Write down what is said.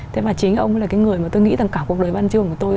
thế mà chính ông ấy là cái người mà tôi nghĩ là cả cuộc đời văn chương của tôi